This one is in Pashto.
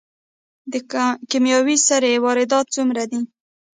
د کیمیاوي سرې واردات څومره دي؟